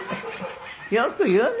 「よく言うね」